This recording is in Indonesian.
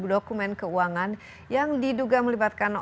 dokumen keuangan yang diduga melibatkan